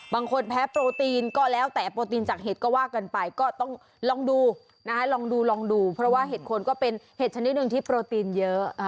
บางคนแพ้โปรตีนก็แล้วแต่โปรตีนจากเห็ดก็ว่ากันไปก็ต้องลองดูนะฮะลองดูลองดูเพราะว่าเห็ดโคนก็เป็นเห็ดชนิดหนึ่งที่โปรตีนเยอะ